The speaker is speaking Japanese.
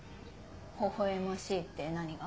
ほほ笑ましいって何が？